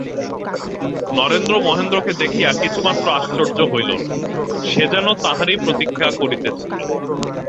নরেন্দ্র মহেন্দ্রকে দেখিয়া কিছুমাত্র আশ্চর্য হইল না, সে যেন তাঁহারই প্রতীক্ষা করিতেছিল।